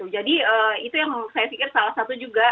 jadi itu yang saya pikir salah satu juga